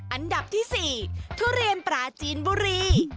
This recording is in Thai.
อันดับที่๔ทุเรียนปลาจีนบุรี